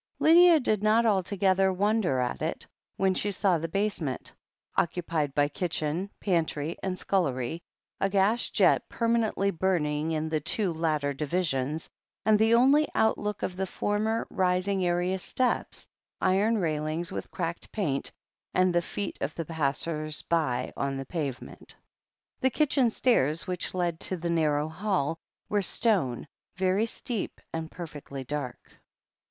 Lydia did not altogether wonder at it, when she saw the basement, occupied by kitchen, pantry, and scullery, a gas jet permanently burning in the two latter divi sions — and the only outlook of the former, rising area steps, iron railings with cracked paint, and the feet of the passers by on the pavement. The kitchen stairs, which led to the narrow hall, were stone, very steep, and perfectly dark.